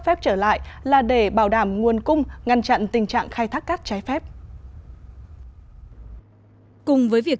phép trở lại là để bảo đảm nguồn cung ngăn chặn tình trạng khai thác cát trái phép cùng với việc